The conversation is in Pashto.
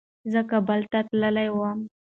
زه کابل ته تللی وم.